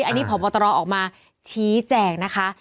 อันนี้พบตรออกมาชี้แจงนะคะ